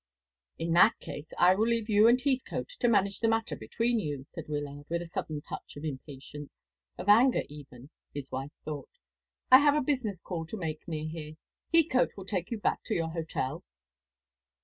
"In that case I will leave you and Heathcote to manage the matter between you," said Wyllard, with a sudden touch of impatience, of anger even, his wife thought. "I have a business call to make near here. Heathcote will take you back to your hotel."